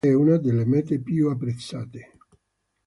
Turisticamente è una delle mete più apprezzate.